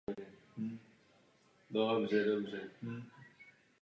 Mezi dlouhé zbraně patří také některé verze samopalů a většina útočných pušek.